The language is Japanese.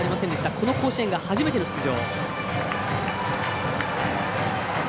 この甲子園が初めての出場。